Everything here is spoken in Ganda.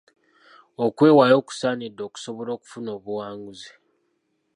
Okwewaayo kusaanidde okusobola okufuna obuwanguzi